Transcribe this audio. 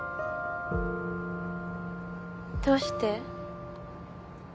どうして？